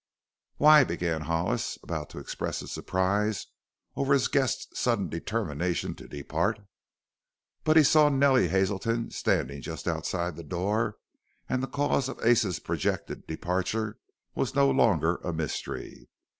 "Why " began Hollis, about to express his surprise over his guest's sudden determination to depart. But he saw Nellie Hazelton standing just outside the door, and the cause of Ace's projected departure was no longer a mystery.